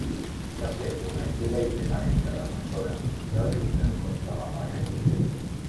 Va ser una activa i primerenca defensora de la lluita contra l'apartheid.